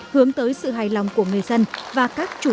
hướng tới sự hài lòng của người dân và các tổ chức